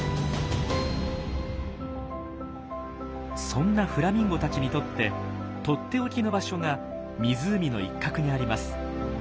そんなフラミンゴたちにとってとっておきの場所が湖の一角にあります。